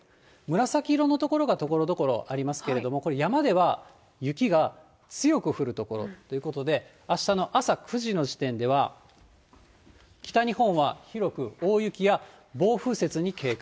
紫色の所がところどころありますけれども、これ、山では雪が強く降る所ということで、あしたの朝９時の時点では、北日本は広く大雪や暴風雪に警戒。